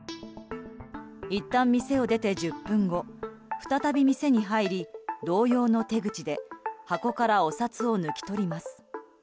いったん店を出て１０分後再び店に入り同様の手口で箱からお札を抜き取ります。